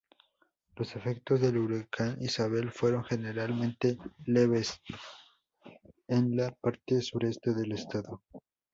Los efectos del huracán Isabel fueron generalmente leves en la parte sureste del estado.